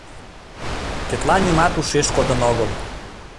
Тетла нимат ушеш кодын огыл.